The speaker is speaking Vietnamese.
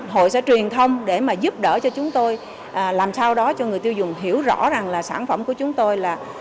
hội sẽ truyền thông để mà giúp đỡ cho chúng tôi làm sao đó cho người tiêu dùng hiểu rõ rằng là sản phẩm của chúng tôi là